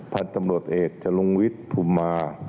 พันธุ์ตำรวจเอกจรุงวิทย์ภูมิมา